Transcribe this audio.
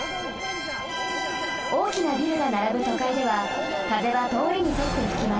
おおきなビルがならぶとかいでは風はとおりにそってふきます。